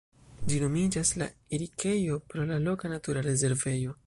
Ĝi nomiĝas "La Erikejo" pro la loka natura rezervejo.